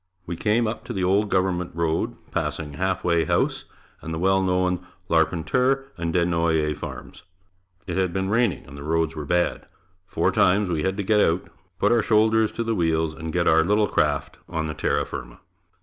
We came up to the old government road passing the "Half Way House" and the well known Larpenteur and Des Noyer farms. It had been raining and the roads were bad. Four times we had to get out, put our shoulders to the wheels and get our little craft on the terra firma.